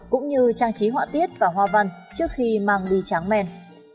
cũng như trang trí họa tiết và hoa văn trước khi mang đi tráng men